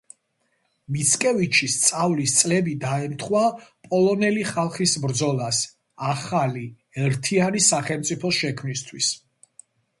მიცკევიჩის სწავლის წლები დაემთხვა პოლონელი ხალხის ბრძოლას ახალი ერთიანი სახელმწიფოს შექმნისთვის.